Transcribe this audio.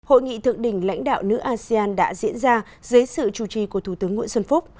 hội nghị thượng đỉnh lãnh đạo nữ asean đã diễn ra dưới sự chủ trì của thủ tướng nguyễn xuân phúc